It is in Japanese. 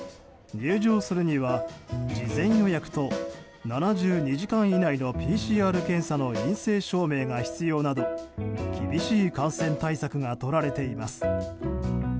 入場するには事前予約と７２時間以内のＰＣＲ検査の陰性証明が必要など厳しい感染対策がとられています。